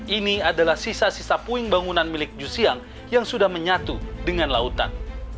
ini adalah sisa sisa puing bangunan milik jusiang yang sudah menyatu dengan lautan